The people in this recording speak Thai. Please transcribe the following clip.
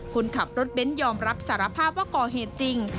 คนขับรถเบ้นยอมรับสารภาพว่าก่อเหตุจริง